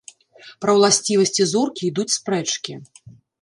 Пра ўласцівасці зоркі ідуць спрэчкі.